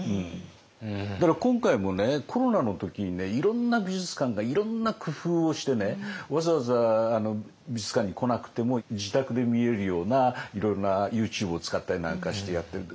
だから今回もコロナの時にねいろんな美術館がいろんな工夫をしてわざわざ美術館に来なくても自宅で見れるようないろいろなＹｏｕＴｕｂｅを使ったりなんかしてやってる。